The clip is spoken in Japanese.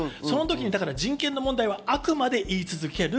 人権の問題はあくまで言い続ける。